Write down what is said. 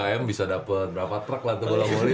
ya tiga m bisa dapet berapa truk lah itu bola volley